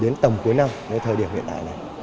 đến tầm cuối năm đến thời điểm hiện tại này